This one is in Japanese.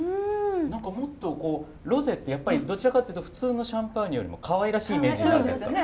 何かもっとこうロゼってやっぱりどちらかっていうと普通のシャンパーニュよりもかわいらしいイメージがあるじゃないですか。